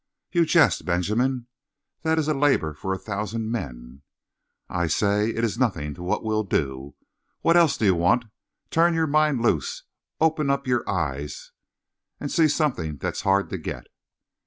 "You jest, Benjamin. That is a labor for a thousand men." "I say, it's nothing to what we'll do. What else do you want? Turn your mind loose open up your eyes and see something that's hard to get."